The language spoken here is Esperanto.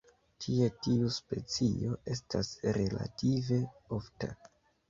Tie tiu specio estas relative ofta.